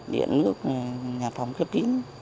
điện nước nhà phòng kếp kín